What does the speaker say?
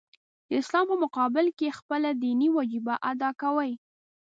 د اسلام په مقابل کې خپله دیني وجیبه ادا کوي.